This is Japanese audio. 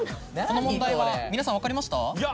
この問題は皆さん分かりました？